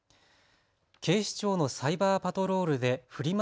警視庁のサイバーパトロールでフリマ